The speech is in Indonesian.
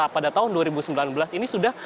pada tahun dua ribu sembilan belas ini sudah